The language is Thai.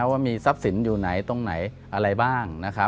ว่ามีทรัพย์สินอยู่ไหนตรงไหนอะไรบ้าง